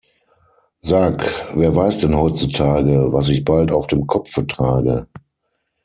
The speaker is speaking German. Sag, wer weiß denn heutzutage, was ich bald auf dem Kopfe trage?